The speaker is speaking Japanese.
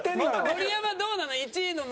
盛山どうなの？